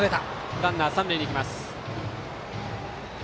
ランナーは三塁へ行きます。